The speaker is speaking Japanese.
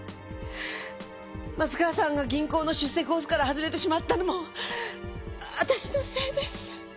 松川さんが銀行の出世コースから外れてしまったのも私のせいです。